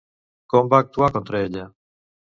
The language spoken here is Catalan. Com va actuar contra ella?